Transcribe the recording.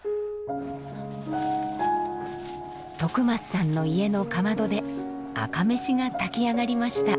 徳増さんの家のかまどで赤めしが炊きあがりました。